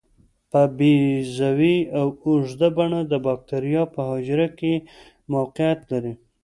په بیضوي یا اوږده بڼه د باکتریا په حجره کې موقعیت لري.